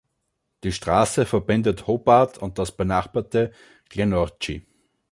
Die Straße verbindet Hobart und das benachbarte Glenorchy.